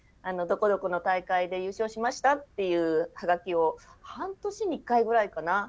「どこどこの大会で優勝しました」っていう葉書を半年に１回ぐらいかな。